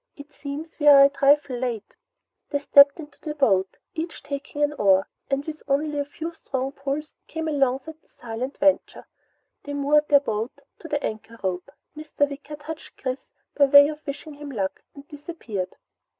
It seems we are a trifle late!" They stepped into the boat, each taking an oar, and with only a few strong pulls came alongside the silent Venture. They moored their boat to the anchor rope. Mr. Wicker touched Chris by way of wishing him luck, and disappeared.